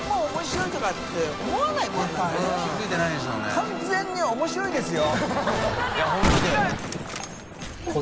完全に面白いですよ。